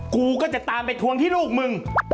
กูก็จะตามไปทวงที่ลูกมึง